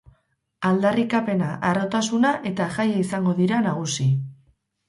Aldarrikapena, harrotasuna eta jaia izango dira nagusi.